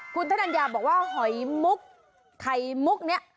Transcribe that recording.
คุณธนัญญาบอกว่าหอยมุกไข่มุกเนี่ย